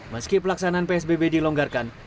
meski pelaksanaan psbb dilonggarkan